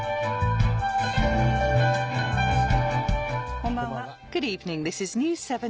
こんばんは。